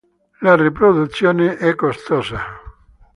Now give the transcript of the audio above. La riproduzione è costosa.